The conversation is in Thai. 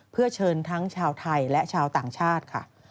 เพื่อเชิญทั้งชาวไทยและชาวต่างชาติค่ะ